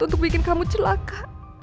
untuk bikin kamu celaka